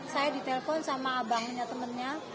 saya di telpon sama abangnya temennya